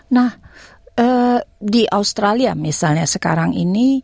nah di australia misalnya sekarang ini